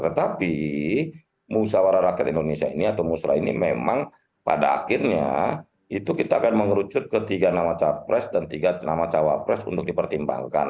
tetapi musra ini memang pada akhirnya kita akan mengerucut ke tiga nama cawapres dan tiga nama cawapres untuk dipertimbangkan